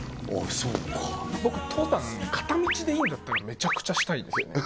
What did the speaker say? そうか僕登山片道でいいんだったらめちゃくちゃしたいんですよね